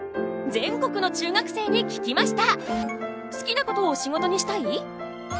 全国の中学生に聞きました！